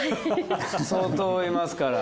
相当いますから。